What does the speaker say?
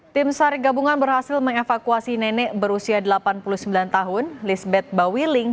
tim sari gabungan berhasil mengevakuasi nenek berusia delapan puluh sembilan tahun lisbeth bawiling